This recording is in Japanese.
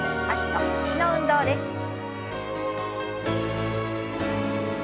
脚と腰の運動です。